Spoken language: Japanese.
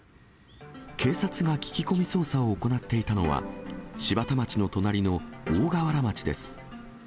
警察が聞き込み捜査を行っていたのは、柴田町の隣の大河原町です。